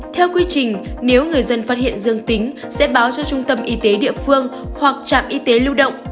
theo quy trình nếu người dân phát hiện dương tính sẽ báo cho trung tâm y tế địa phương hoặc trạm y tế lưu động